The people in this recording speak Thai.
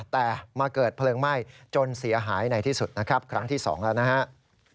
แต่มาเกิดเพลิงไหม้จนเสียหายในที่สุดนะครับครั้งที่๒แล้วนะครับ